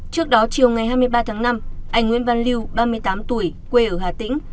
trước đó chiều ngày hai mươi ba tháng năm anh nguyễn văn lưu ba mươi tám tuổi quê ở hà tĩnh